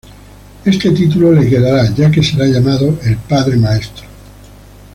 Este título le quedará, ya que será llamado "Il Padre Maestro".